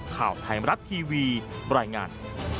ข่าวไทยมรัฐทีวีบรรยายงาน